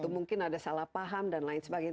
mungkin ada salah paham dan lain sebagainya